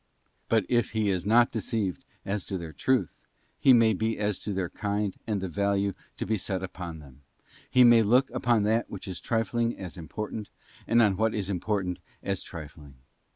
But if he is not deceived as to their truth, he may be as to their kind and the value to be set upon them; he may look upon that which is trifling as important, and on what is important as trifling.